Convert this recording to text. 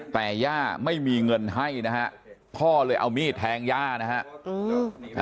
แต่ย่าไม่มีเงินให้นะฮะพ่อเลยเอามีดแทงย่านะฮะ